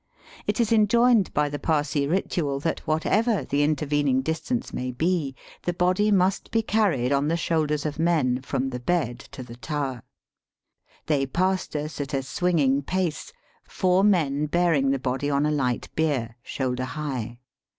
It is enjoined by the Parsee ritual that whatever the intervening distance may be, the body must be carried on the shoulders of men from the bed ta the tower. They passed us at a swinging pace, four men bearing the body on a light bier, shoulder high.